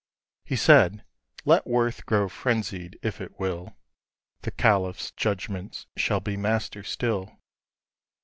He said, "Let worth grow frenzied if it will; The caliph's judgment shall be master still.